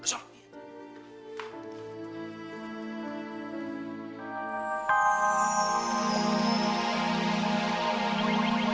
mas jaga itu